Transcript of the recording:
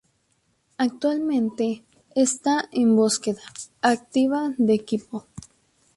Actualmente, está en búsqueda activa de equipo.